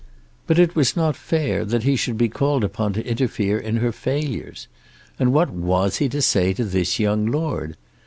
But it was not fair that he should be called upon to interfere in her failures. And what was he to say to this young lord?